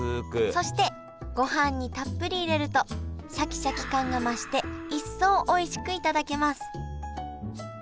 そしてごはんにたっぷり入れるとシャキシャキ感が増して一層おいしくいただけます